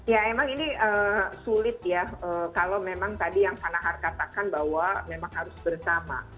ya emang ini sulit ya kalau memang tadi yang pak nahar katakan bahwa memang harus bersama